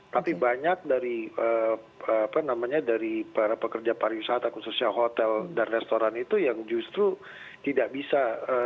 tapi banyak dari para pekerja pariwisata khususnya hotel dan restoran itu yang justru tidak bisa